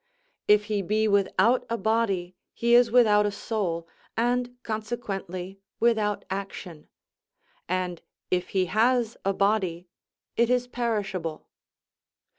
If he be without a body he is without a soul, and consequently without action; and if he has a body, it is perishable."